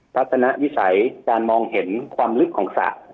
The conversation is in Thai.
ทัศนวิสัยการมองเห็นความลึกของสระ